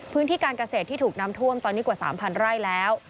พื้นที่การเกษตรที่ถูกน้ำท่วมตอนนี้กว่า๓๐๐ไร่แล้ว